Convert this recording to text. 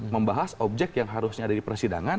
membahas objek yang harusnya ada di persidangan